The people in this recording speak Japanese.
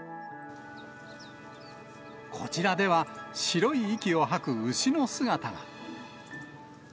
こちらでは、白い息を吐く牛の姿が。